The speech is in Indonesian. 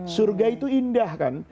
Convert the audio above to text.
surga itu indah kan